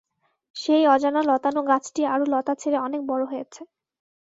সেই অজানা লতানো গাছটি আরো লতা ছেড়ে অনেক বড় হয়েছে।